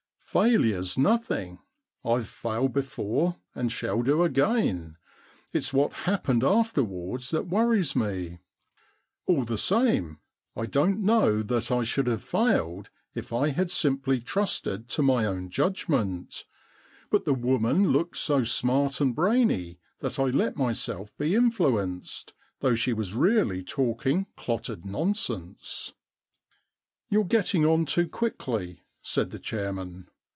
* Failure's nothing. I've failed before and shall do again. It's what happened after wards that worries me. All the same, I don't 192 The Threepenny Problem know that I should have failed if I had simply trusted to my own judgment, but the woman looked so smart and brainy that I let myself be influenced, though she was really talking clotted nonsense.* * You*re getting on too quickly,' said the chairman.